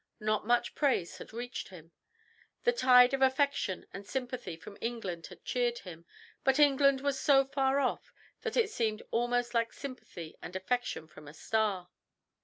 Not much praise had reached him. The tide of affection and sympathy from England had cheered him, but England was so far off that it seemed almost like sympathy and affection from a star.